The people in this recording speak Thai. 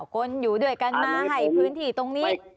คนอยู่ด้วยกันมาให้พื้นที่ตรงนี้